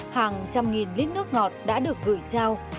hàng trăm nghìn lít nước ngọt đã được gửi trao